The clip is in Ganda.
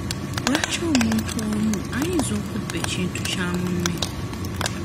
Lwaki omuntu omu ayinza okubba ekintu kya munne?